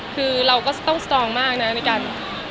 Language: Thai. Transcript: คือเราก็จะต้องสตรองมากนะในการ